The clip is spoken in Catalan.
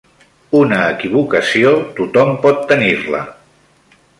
Una equivocació tot-hom pot tenir-la